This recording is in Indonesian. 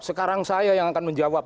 sekarang saya yang akan menjawab